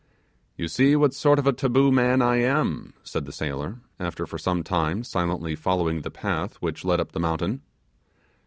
'You see what sort of a taboo man I am,' said the sailor, after for some time silently following the path which led up the mountain.